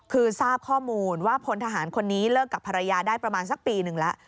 คือทราบข้อมูลว่าพลทหารคนนี้เลิกกับภรรยาได้ประมาณสักปีหนึ่งแล้ว